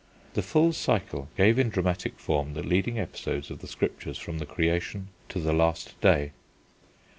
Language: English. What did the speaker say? The full cycle gave in dramatic form the leading episodes of the Scriptures from the Creation to the Last Day.